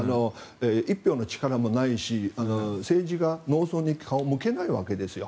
１票の力もないし政治が農村に顔を向けないわけです。